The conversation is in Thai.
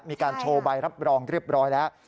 มีการโชว์ใบรับรองเรียบร้อยแล้ว